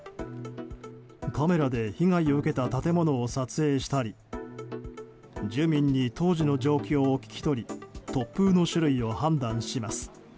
カメラで被害を受けた建物を撮影したり住民に当時の状況を聞き取り突風の種類を判断します。